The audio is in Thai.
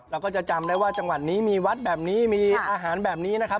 เราก็จะจำได้ว่าจังหวัดนี้มีวัดแบบนี้มีอาหารแบบนี้นะครับ